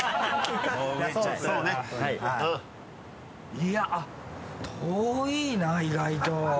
いやあっ遠いな意外と。